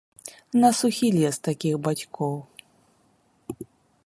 На сухі лес такіх бацькоў.